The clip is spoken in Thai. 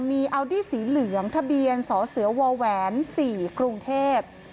มีอัลดี้สีเหลืองทะเบียนสสวแหวน๔กรุงเทพ